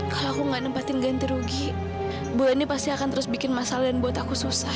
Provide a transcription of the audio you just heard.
kalau aku gak nempatin ganti rugi bu ani pasti akan terus bikin masalah dan buat aku susah